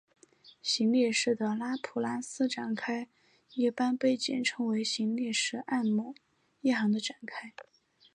行列式的拉普拉斯展开一般被简称为行列式按某一行的展开。